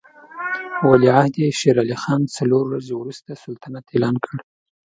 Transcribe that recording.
ولیعهد یې شېر علي خان څلور ورځې وروسته سلطنت اعلان کړ.